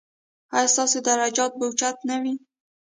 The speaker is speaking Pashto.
ایا ستاسو درجات به اوچت نه وي؟